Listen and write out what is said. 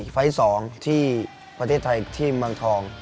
ไฟล์๒ที่ประเทศไทยที่เมืองทอง